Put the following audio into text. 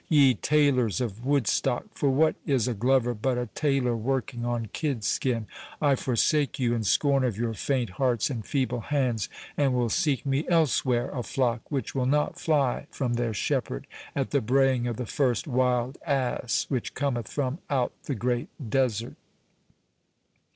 —"Ye tailors of Woodstock!—for what is a glover but a tailor working on kidskin?—I forsake you, in scorn of your faint hearts and feeble hands, and will seek me elsewhere a flock which will not fly from their shepherd at the braying of the first wild ass which cometh from out the great desert."